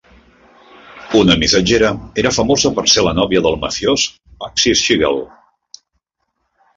Una missatgera, era famosa per ser la nòvia del mafiós Bugsy Siegel.